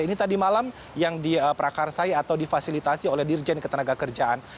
ini tadi malam yang diperakarsai atau difasilitasi oleh dirjen ketenaga kerjaan